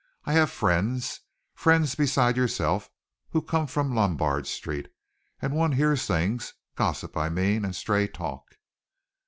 I have friends, friends beside yourself, who come from Lombard Street, and one hears things, gossip, I mean, and stray talk."